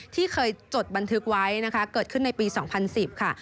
ที่เคยจดบันทึกไว้นะคะเกิดขึ้นในปี๒๐๑๐ค่ะ